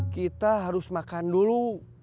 kita harus makan dulu